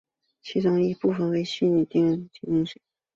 其中一些部分以补丁的形式提供。